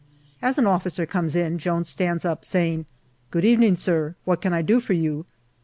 As an officer comes in, Jones stands up, saying, " Good evening, sir ; what can I do for you